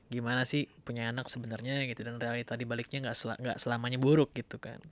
gimana sih punya anak sebenarnya gitu dan realita di baliknya gak selamanya buruk gitu kan